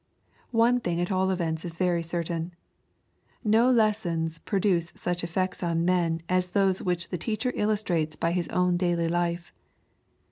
One thing at all events 18 very certain. No lessons produce such effects on men as those which the teacher illustrates by his own daily life.